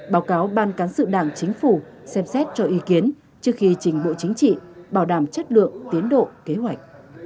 báo cáo ban cán sự đảng chính phủ xem xét cho ý kiến trước khi trình bộ chính trị bảo đảm chất lượng tiến độ kế hoạch